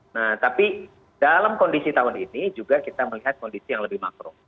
nah tapi dalam kondisi tahun ini juga kita melihat kondisi yang lebih makro